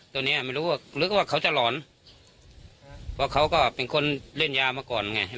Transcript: ตัวเนี้ยไม่รู้ว่านึกว่าเขาจะหลอนเพราะเขาก็เป็นคนเล่นยามาก่อนไง